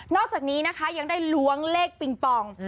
อกจากนี้นะคะยังได้ล้วงเลขปิงปอง